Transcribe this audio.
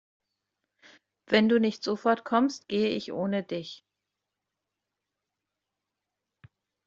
Wenn du nicht sofort kommst, gehe ich ohne dich.